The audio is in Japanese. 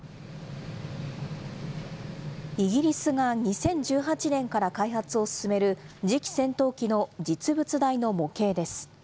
イギリスが２０１８年から開発を進める、次期戦闘機の実物大の模型です。